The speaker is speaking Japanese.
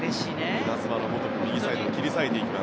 イナズマのごとく右サイドを切り裂いていきます。